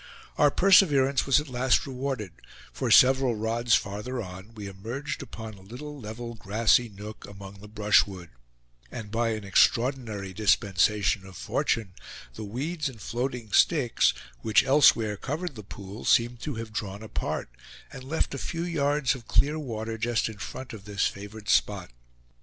Our perseverence was at last rewarded; for several rods farther on, we emerged upon a little level grassy nook among the brushwood, and by an extraordinary dispensation of fortune, the weeds and floating sticks, which elsewhere covered the pool, seemed to have drawn apart, and left a few yards of clear water just in front of this favored spot.